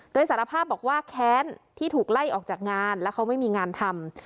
โดยสารภาพบอกว่าแค้นที่ถูกไล่ออกจากงานแล้วเขาไม่มีงานทำ